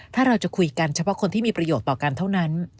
ถ้าเราจะคุยกันเฉพาะคนที่มีประโยชน์ต่อกันเท่านั้น